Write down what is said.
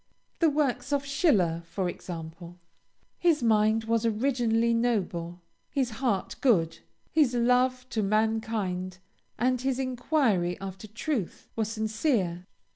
The works of Schiller, for example. His mind was originally noble, his heart good, his love to mankind, and his enquiry after truth were sincere.